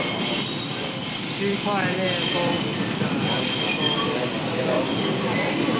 區塊鏈公司的員工